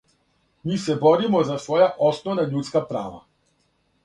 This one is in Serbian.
Ми се боримо за своја основна људска права.